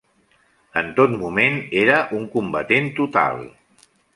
En tot moment era un combatent total.